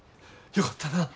よかったなぁ。